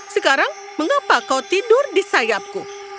sekarang mengapa kau tidur di sayapku